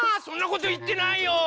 そんなこといってないよ！